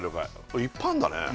これいっぱいあんだね